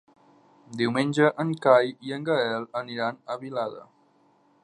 Diumenge en Cai i en Gaël aniran a Vilada.